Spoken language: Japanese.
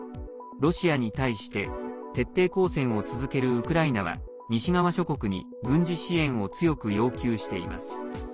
ロシアに対して徹底抗戦を続けるウクライナは西側諸国に軍事支援を強く要求しています。